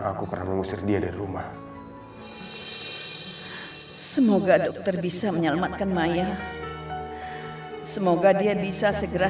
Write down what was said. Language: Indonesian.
aku pernah mengusir dia dari rumah semoga dokter bisa menyelamatkan maya semoga dia bisa segera